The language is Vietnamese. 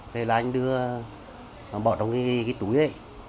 thế là anh đưa bỏ trong cái túi ấy